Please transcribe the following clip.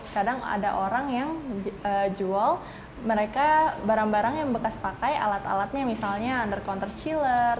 kadang ada orang yang jual mereka barang barang yang bekas pakai alat alatnya misalnya under counter chiller